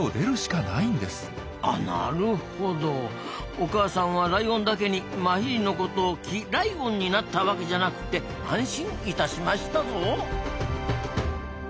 お母さんはライオンだけにマヒリのことをキライオンになったわけじゃなくて安心いたしましたぞ。